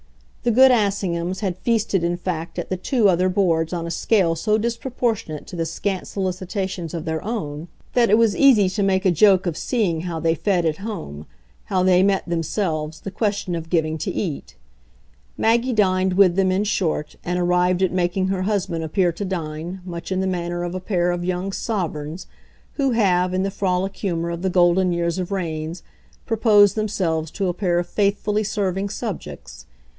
The good Assinghams had feasted in fact at the two other boards on a scale so disproportionate to the scant solicitations of their own that it was easy to make a joke of seeing how they fed at home, how they met, themselves, the question of giving to eat. Maggie dined with them, in short, and arrived at making her husband appear to dine, much in the manner of a pair of young sovereigns who have, in the frolic humour of the golden years of reigns, proposed themselves to a pair of faithfully serving subjects.